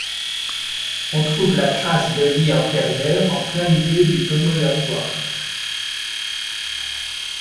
On trouve la traces de lits antérieurs en plein milieu du Bommelerwaard.